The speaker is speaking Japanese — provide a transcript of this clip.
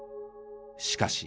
しかし。